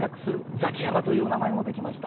「ザキヤマ」という名前もできました。